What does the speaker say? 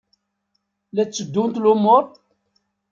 La tteddunt lumuṛ?